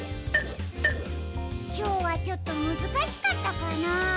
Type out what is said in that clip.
きょうはちょっとむずかしかったかな？